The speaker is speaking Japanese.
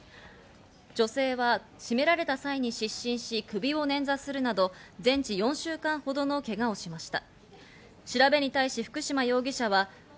女性は締められた際に失神し首を捻挫するなど全治４週間ほどのけがをしました。